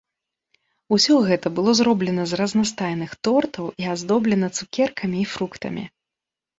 Усё гэта было зроблена з разнастайных тортаў і аздоблена цукеркамі і фруктамі.